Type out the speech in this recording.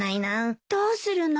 どうするの？